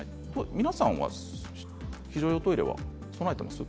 皆さんは非常用トイレを備えていますか？